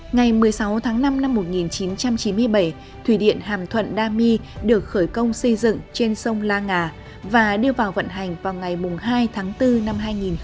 ngày một mươi sáu tháng năm năm một nghìn chín trăm chín mươi bảy thủy điện hàm thuận đa my được khởi công xây dựng trên sông la ngà và đưa vào vận hành vào ngày hai tháng bốn năm hai nghìn một mươi chín